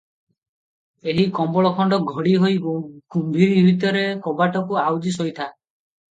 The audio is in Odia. ଏହି କମ୍ବଳ ଖଣ୍ଡ ଘୋଡ଼ି ହୋଇ ଗମ୍ଭୀରି ଭିତରେ କବାଟକୁ ଆଉଜି ଶୋଇ ଥା ।